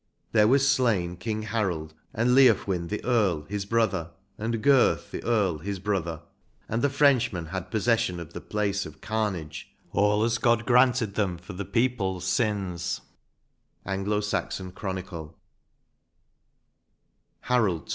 There was slain King Harold, and Leofwin, the Earl, his brother, and Girth, the Earl, his brother ; and the Frenchman had possession of the place of carnage, all as God granted them for the people s sins/' — Anglo Saxon Chronicle, 191 XCV. HAROLD.